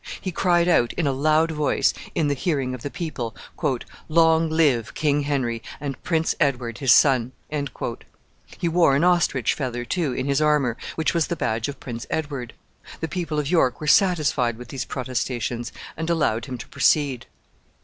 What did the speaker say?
He cried out, in a loud voice, in the hearing of the people, "Long live King Henry, and Prince Edward his son!" He wore an ostrich feather, too, in his armor, which was the badge of Prince Edward. The people of York were satisfied with these protestations, and allowed him to proceed.